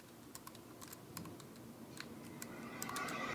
那里主要展出中世纪的艺术品。